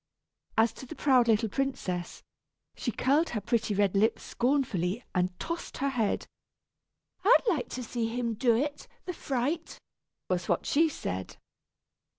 As to the proud little princess, she curled her pretty red lips scornfully and tossed her head. "I'd like to see him do it, the fright!" was what she said.